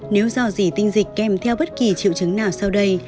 nếu do gì tinh dịch kèm theo bất kỳ triệu chứng nào sau đây